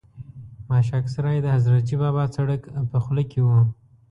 ماشک سرای د حضرتجي بابا سرک په خوله کې و.